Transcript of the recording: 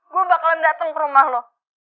gue bakalan dateng ke rumah lo